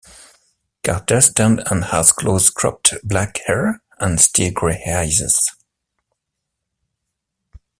Carter stands and has close-cropped black hair and steel-grey eyes.